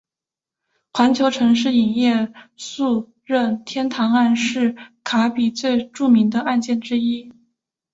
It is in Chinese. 环球城市影业诉任天堂案是卡比最著名的案件之一。